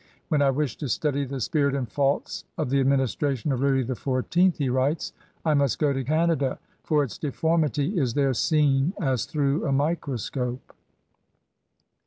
••• When I wish to study the spirit and faults of the administration of Louis XIV)'' he writes, '*I must go to Canada, for its deformity is there seen as through a microscope.